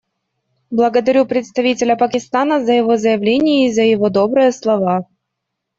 Благодарю представителя Пакистана за его заявление и за его добрые слова.